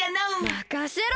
まかせろ！